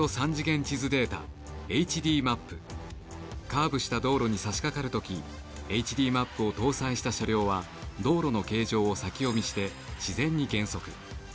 カーブした道路にさしかかる時ＨＤマップを搭載した車両は道路の形状を先読みして自然に減速。